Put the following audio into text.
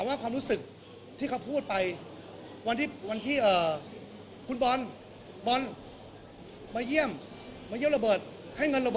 ถ้าเกิดเขาไม่โอเคพี่จะรักผิดชอบ